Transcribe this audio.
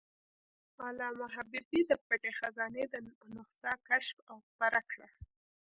علامه حبیبي د "پټه خزانه" نسخه کشف او خپره کړه.